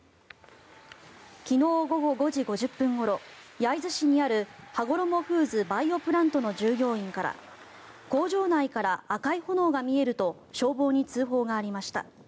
昨日午後５時５０分ごろ焼津市にあるはごろもフーズバイオプラントの従業員から工場内から赤い炎が見えると消防に通報がありました。